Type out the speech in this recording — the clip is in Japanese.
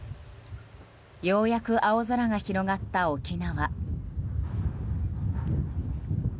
ようやく青空が広がった沖縄。